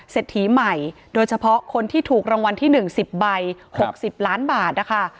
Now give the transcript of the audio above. ถีใหม่โดยเฉพาะคนที่ถูกรางวัลที่๑๐ใบ๖๐ล้านบาทนะคะ